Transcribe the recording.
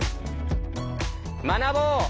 学ぼう！